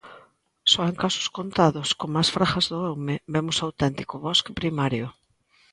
Só en casos contados, como as Fragas do Eume, vemos auténtico bosque primario.